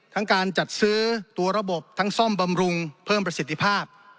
การจัดซื้อตัวระบบทั้งซ่อมบำรุงเพิ่มประสิทธิภาพ